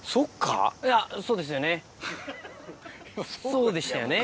そうでしたよね。